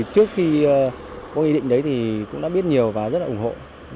trước khi có nghị định đấy thì cũng đã biết nhiều và rất là ủng hộ